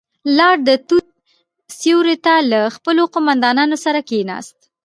لاړ، د توت سيورې ته له خپلو قوماندانانو سره کېناست.